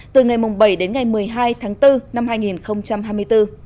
từ ngày bảy đến ngày một mươi hai tháng bốn năm hai nghìn hai mươi bốn